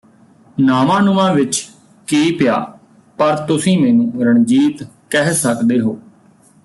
ਨਾਵਾਨੁਮਾ ਵਿਚ ਕੀ ਪਿਆ ਪਰ ਤੁਸੀ ਮੈਨੂੰ ਰਣਜੀਤ ਕਹਿ ਸਕਦੇ ਹੋ